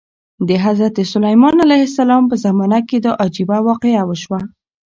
د حضرت سلیمان علیه السلام په زمانه کې دا عجیبه واقعه وشوه.